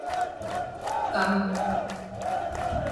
甘